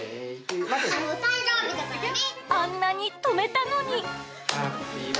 あんなに止めたのに。